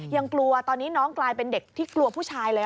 ยังกลัวตอนนี้น้องกลายเป็นเด็กที่กลัวผู้ชายเลย